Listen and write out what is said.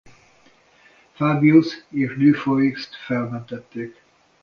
Fabiust és Dufoix-t felmentették.